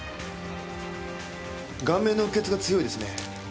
顔面のうっ血が強いですね。